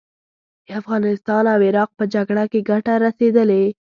د افغانستان او عراق په جګړه کې ګټه رسېدلې.